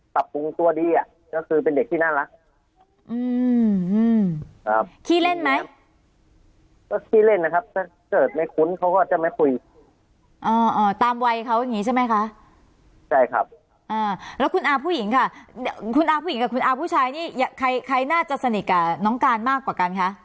ตับปรุงตัวดีอ่ะก็คือเป็นเด็กที่น่ารัก